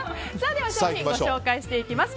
では商品をご紹介します。